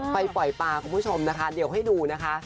ปล่อยปลาคุณผู้ชมนะคะเดี๋ยวให้ดูนะคะ